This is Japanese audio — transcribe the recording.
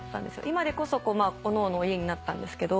今でこそおのおのの家になったんですけど。